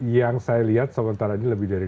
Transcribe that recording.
yang saya lihat sementara ini lebih dari dua puluh